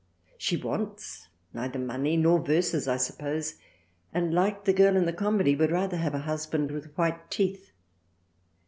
She wants neither money nor Verses I suppose and like the Girl in the Comedy would rather have a Husband with white teeth."